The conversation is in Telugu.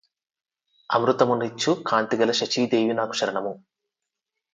అమృతమునిచ్చు కాంతిగల శచీ దేవి నాకు శరణము